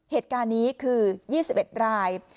เหตุการณ์นี้คือ๒๑ราย